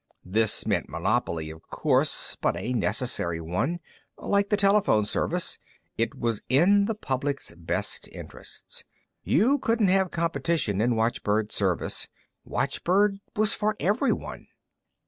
This meant monopoly, of course, but a necessary one. Like the telephone service, it was in the public's best interests. You couldn't have competition in watchbird service. Watchbird was for everyone.